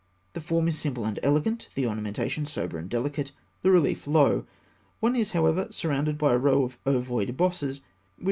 ] The form is simple and elegant, the ornamentation sober and delicate; the relief low. One is, however, surrounded by a row of ovoid bosses (fig.